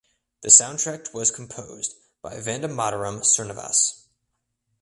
The soundtrack was composed by Vandemataram Srinivas.